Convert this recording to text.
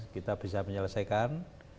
kita bisa menyelesaikan